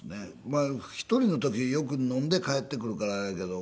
まあ１人の時よく飲んで帰ってくるからあれやけど。